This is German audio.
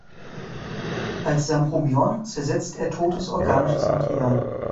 Als Saprobiont zersetzt er totes organisches Material.